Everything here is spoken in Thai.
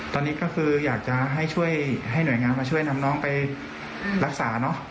ตอนนี้ก็คืออยากจะให้ช่วยให้หน่วยงานมาช่วยนำน้องไปรักษาเนอะ